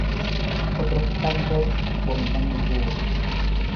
otros tantos vomitando en cubos